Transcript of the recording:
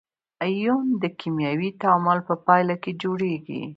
ایون د کیمیاوي تعامل په پایله کې جوړیږي.